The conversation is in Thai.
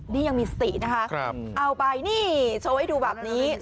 นี่ยังมีสตินะคะเอาไปนี่โชว์ให้ดูแบบนี้